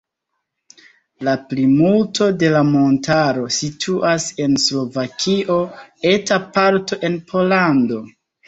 La plimulto de la montaro situas en Slovakio, eta parto en Pollando.